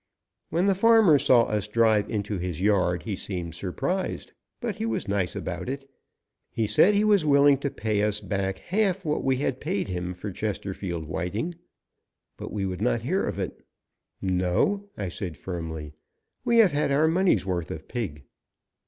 When the farmer saw us drive into his yard he seemed surprised, but he was nice about it. He said he was willing to pay us back half what we had paid him for Chesterfield Whiting, but we would not hear of it. "No," I said firmly, "we have had our money's worth of pig!"